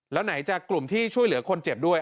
แล้วไหนจากกลุ่มที่ช่วยเหลือคนเจ็บด้วย